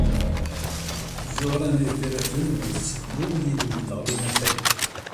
Ẓuhṛa n At Yiraten ad teddu yid-went ɣer unafag.